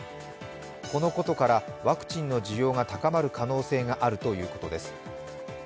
このことからワクチンの需要が高まる可能性があるということです。